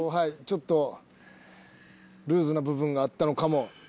ちょっとルーズな部分があったのかもしれないです。